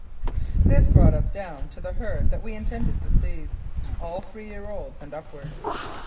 This brought us down to the herd that we intended to seize all three year olds and upwards.